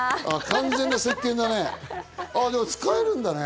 完全なせっけんだね。